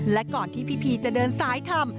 และก่อนที่พี่จะเดินสายธรรม